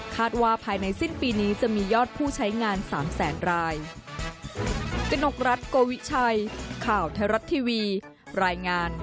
ว่าภายในสิ้นปีนี้จะมียอดผู้ใช้งาน๓แสนราย